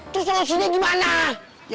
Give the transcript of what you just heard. terus lo sini gimana